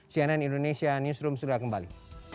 cnn indonesia newsroom sudah kembali